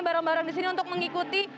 bareng bareng disini untuk mengikuti